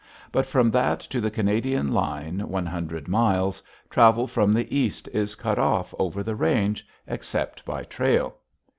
But from that to the Canadian line, one hundred miles, travel from the east is cut off over the range, except by trail.